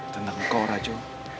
tentang kau rajo